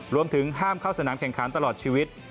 รวมถึงห้ามเข้าสนามแข่งขันตลอดชีวิต